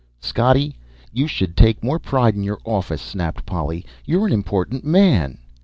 "Scottie, you should take more pride in your office!" snapped Polly. "You're an important man."